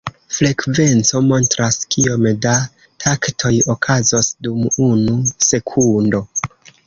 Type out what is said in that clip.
Frekvenco montras kiom da taktoj okazos dum unu sekundo.